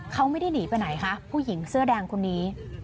เขาไม่ได้หนีไปไหนคะผู้หญิงเสื้อแดงคนนี้